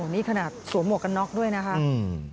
นี่ขนาดสวมหมวกกันน็อกด้วยนะคะอืม